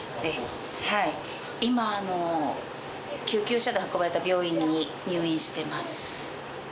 今、救急車で運ばれた病院に入院してます。